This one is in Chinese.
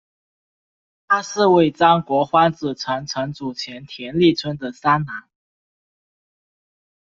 他是尾张国荒子城城主前田利春的三男。